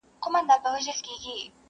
د کراري مو شېبې نه دي لیدلي.